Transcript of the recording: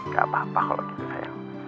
gak apa apa kalau gitu saya